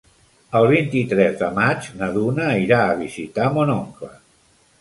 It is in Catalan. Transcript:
El vint-i-tres de maig na Duna irà a visitar mon oncle.